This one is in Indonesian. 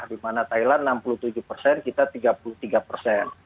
di mana thailand enam puluh tujuh persen kita tiga puluh tiga persen